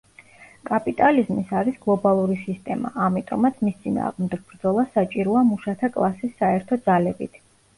კაპიტალიზმის არის გლობალური სისტემა, ამიტომაც მის წინააღმდეგ ბრძოლა საჭიროა მუშათა კლასის საერთო ძალებით.